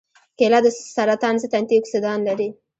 کېله د سرطان ضد انتياکسیدان لري.